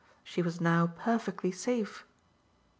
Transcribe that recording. She was now perfectly safe.